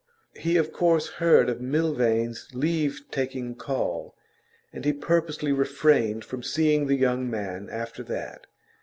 He of course heard of Milvain's leave taking call, and he purposely refrained from seeing the young man after that.